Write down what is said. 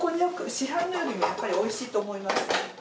市販のよりはやっぱりおいしいと思います。